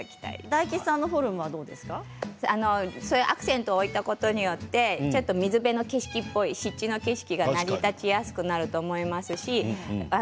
大吉さんの方はアクセントを置いたことによって水辺の景色っぽい湿地の景色が成り立ちやすくなると思います。